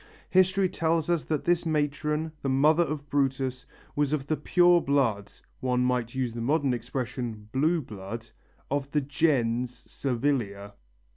History tells us that this matron, the mother of Brutus, was of the pure blood one might use the modern expression, blue blood of the gens Servilia.